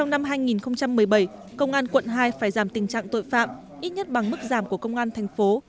trong năm hai nghìn một mươi bảy công an quận hai phải giảm tình trạng tội phạm ít nhất bằng mức giảm của công an tp hcm